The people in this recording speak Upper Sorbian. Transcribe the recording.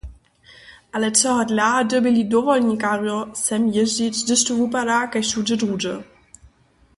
Ale čehodla dyrbjeli dowolnikarjo sem jězdźić, hdyž tu wupada kaž wšudźe druhdźe?